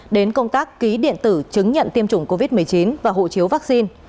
đến công tác ký điện tử chứng nhận tiêm chủng covid một mươi chín và hộ chiếu vaccine